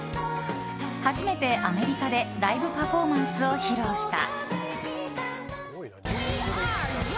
初めてアメリカでライブパフォーマンスを披露した。